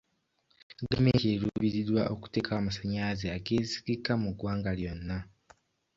Gavumenti eruubirirwa okuteekawo amasanyalaze agesigika mu ggwanga lyonna.